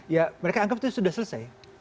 ya mereka anggap itu sudah selesai